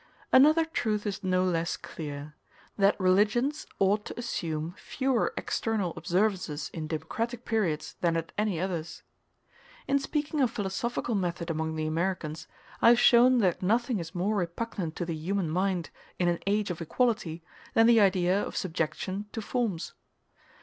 Another truth is no less clear that religions ought to assume fewer external observances in democratic periods than at any others. In speaking of philosophical method among the Americans, I have shown that nothing is more repugnant to the human mind in an age of equality than the idea of subjection to forms.